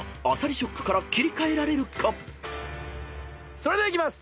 それではいきます。